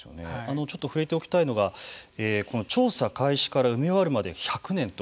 ちょっと触れておきたいのがこの調査開始から埋め終わるまで１００年と。